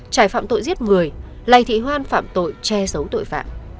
trải phạm tội giết người lầy thị hoan phạm tội che giấu tội phạm